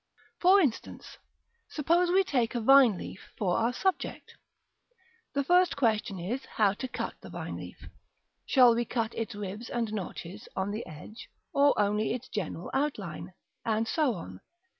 For instance, suppose we take a vine leaf for our subject. The first question is, how to cut the vine leaf? Shall we cut its ribs and notches on the edge, or only its general outline? and so on.